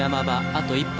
あと１本。